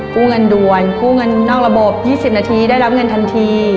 กู้เงินด่วนกู้เงินนอกระบบ๒๐นาทีได้รับเงินทันที